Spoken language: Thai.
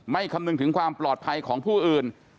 คำนึงถึงความปลอดภัยของผู้อื่น